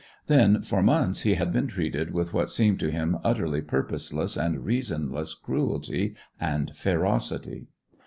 Then, for months, he had been treated with what seemed to him utterly purposeless and reasonless cruelty and ferocity.